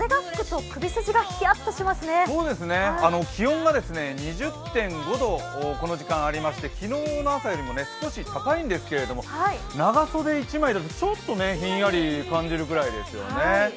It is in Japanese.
そうですね、気温が２０．５度、この時間ありまして、昨日の朝よりも少し高いんですけれども長袖１枚だと、ちょっとひんやり感じるくらいですよね。